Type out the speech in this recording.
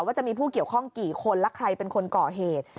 ว่าจะมีผู้เกี่ยวข้องกี่คนและใครเป็นคนก่อเหตุ